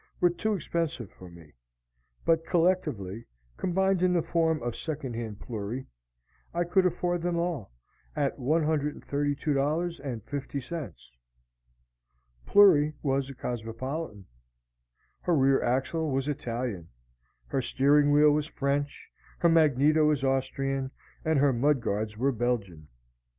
were too expensive for me; but collectively, combined in the form of second hand Plury, I could afford them all, at $132.50. Plury was a cosmopolitan. Her rear axle was Italian, her steering wheel was French, her magneto was Austrian, and her mudguards were Belgian.